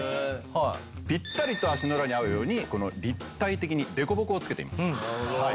ピッタリと足の裏に合うように立体的に凸凹をつけています。